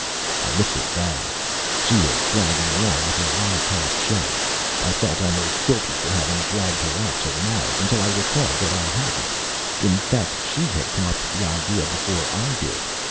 I looked at Val. She was dragging along with her eyes half shut. I felt almost guilty for having dragged her out to Mars, until I recalled that I hadn't. In fact, she had come up with the idea before I did.